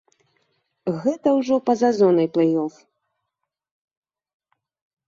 Гэта ўжо па-за зонай плэй-оф.